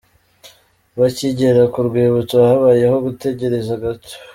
Bakigera ku rwibutso habayeho gutegereza gato.